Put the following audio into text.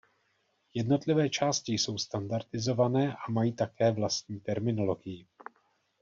Jednotlivé části jsou standardizované a mají také vlastní terminologii.